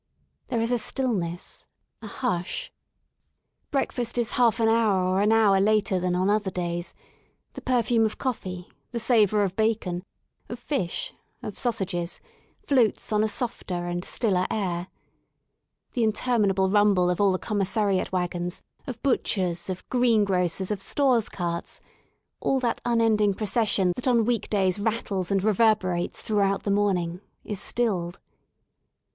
There is a stillness, a hush. Breakfast is half an hour «35 THE SOUL OF LONDON or an hour later than on other days, the perfume of coffee, the savour of bacon, offish, of sausages, floats on a softer and stiller air. The interminable rumble of all the commissariat wagons, of butchers*, of green grocers', of stores' carts, all that unending procession that on week days rattles and reverberates throughout the morning, is stilled.